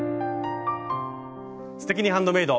「すてきにハンドメイド」。